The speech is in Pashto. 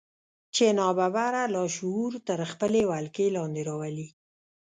چې ناببره لاشعور تر خپلې ولکې لاندې راولي.